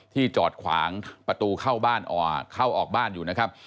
ที่จอดขวางประตูเข้าออกบ้านอยู่นะครับ